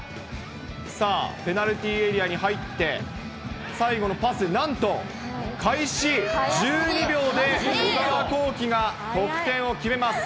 さあ、ペナルティーエリアに入って、最後のパス、なんと開始１２秒で小川航基が得点を決めます。